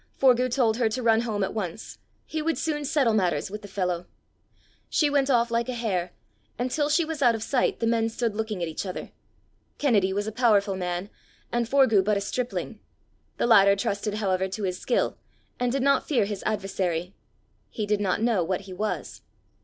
Forgue told her to run home at once: he would soon settle matters with the fellow. She went off like a hare, and till she was out of sight the men stood looking at each other. Kennedy was a powerful man, and Forgue but a stripling; the latter trusted, however, to his skill, and did not fear his adversary. He did not know what he was.